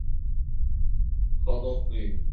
解夫娄迁都之后国号东扶余。